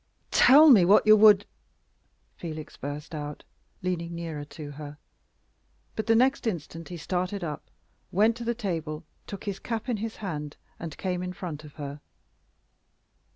"Tell me what you would " Felix burst out, leaning nearer to her; but the next instant he started up, went to the table, took his cap in his hand and came in front of her.